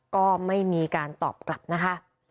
ก็ไม่มีการตอบกลับนะคะ